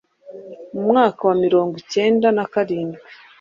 Mu mwaka wa mirongo acyenda nakarindwi